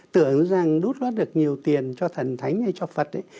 tưởng rằng đút lót được nhiều tiền cho thần thánh hay cho phật ấy